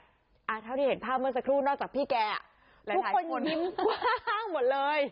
เท่าที่เห็นภาพเมื่อสักครู่นอกจากพี่แกทุกคนยิ้มกว้างหมดเลย